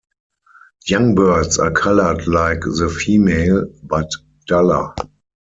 Young birds are colored like the female, but duller.